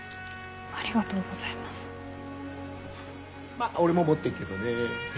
まあ俺も持ってっけどね。